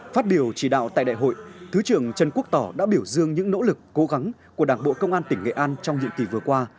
phát biểu chỉ đạo tại đại hội thứ trưởng trần quốc tỏ đã biểu dương những nỗ lực cố gắng của đảng bộ công an tỉnh nghệ an trong nhiệm kỳ vừa qua